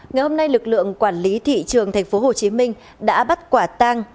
ngày hôm nay lực lượng quản lý thị trường tp hcm đã bắt quả tang